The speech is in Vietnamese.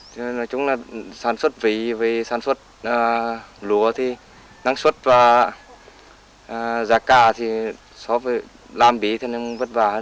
nói chung là sản xuất phí sản xuất lúa thì năng suất và giá cả thì so với làm bí thì vất vả hơn